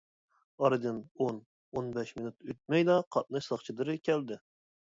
ئارىدىن ئون-ئون بەش مىنۇت ئۆتمەيلا قاتناش ساقچىلىرى كەلدى.